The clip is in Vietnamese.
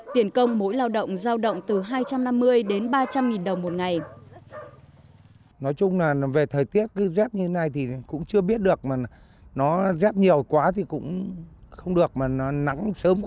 tiền công mỗi lao động giao động từ hai trăm năm mươi đến ba trăm linh nghìn đồng một ngày